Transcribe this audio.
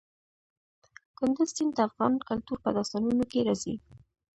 کندز سیند د افغان کلتور په داستانونو کې راځي.